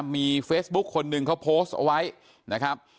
มีเฟซบุ๊คคนหนึ่งเขาโพสต์เอาไว้นะครับ